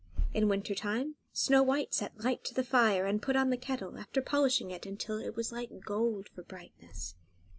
In winter time Snow White set light to the fire, and put on the kettle, after polishing it until it was like gold for brightness.